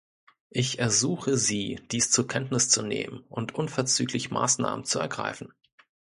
Ich ersuche Sie, dies zur Kenntnis zu nehmen und unverzüglich Maßnahmen zu ergreifen.